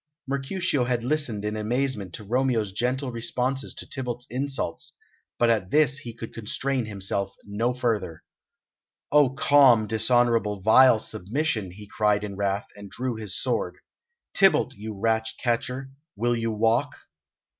Mercutio had listened in amazement to Romeo's gentle responses to Tybalt's insults, but at this he could contain himself no further. "O calm, dishonourable, vile submission!" he cried in wrath, and drew his sword. "Tybalt, you rat catcher, will you walk?"